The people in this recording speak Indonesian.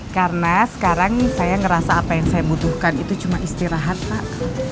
karena sekarang saya ngerasa apa yang saya butuhkan itu cuma istirahat pak